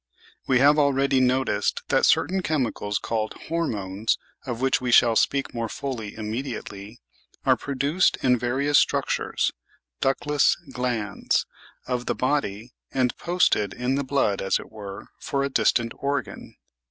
We have akeady noticed that certain chemicals called "hormones," of which we shall speak more fully immediately, are produced in various structures (ductless glands) of the body, and ''posted" in the blood, as it were, for a distant organ.